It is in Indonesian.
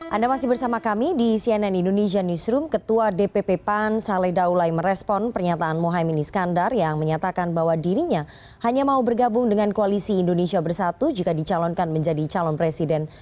anda masih bersama kami di cnn indonesia newsroom ketua dpp pan saleh daulai merespon pernyataan mohaimin iskandar yang menyatakan bahwa dirinya hanya mau bergabung dengan koalisi indonesia bersatu jika dicalonkan menjadi calon presiden